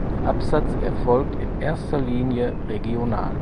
Der Absatz erfolgt in erster Linie regional.